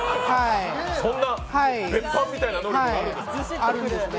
そんな別班みたいな能力あるんですね。